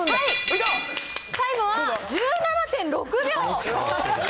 タイムは１７．６秒。